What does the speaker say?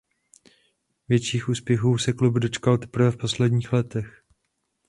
Větších úspěchů se klub dočkal teprve v posledních letech.